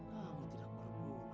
kamu tidak berguna